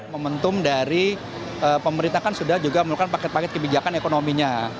momentum dari pemerintah kan sudah juga melakukan paket paket kebijakan ekonominya